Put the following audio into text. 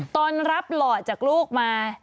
ตอนรับหล่อจากลูกมา